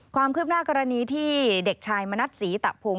ความคืบหน้ากรณีที่เด็กชายมณัฐศรีตะพงศ